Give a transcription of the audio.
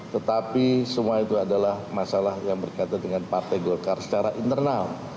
tetapi semua itu adalah masalah yang berkaitan dengan partai golkar secara internal